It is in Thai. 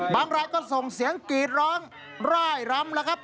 บางรายก็ส่งเสียงกรีดร้องร่ายรำแล้วครับ